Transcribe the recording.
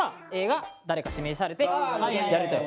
が誰か指名されてやると。